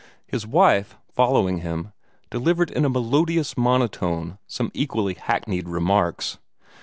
His wife, following him, delivered in a melodious monotone some equally hackneyed remarks.